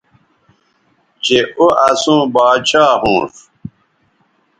چہء او اسوں باچھا ھونݜ